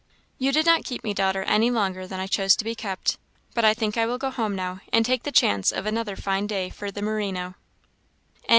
"You did not keep me, daughter, any longer than I chose to be kept. But I think I will go home now, and take the chance of another fine day for the merino."